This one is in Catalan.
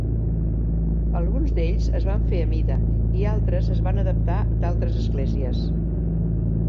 Alguns d'ells es van fer a mida i altres es van adaptar d'altres esglésies.